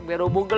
biar lu mungkel